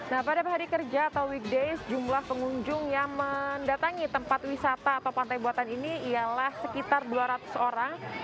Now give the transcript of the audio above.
nah pada hari kerja atau weekdays jumlah pengunjung yang mendatangi tempat wisata atau pantai buatan ini ialah sekitar dua ratus orang